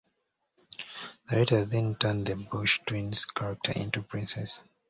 The writers then turned the Bush twins character into Princess.